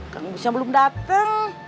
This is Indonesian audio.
kang musnya belum dateng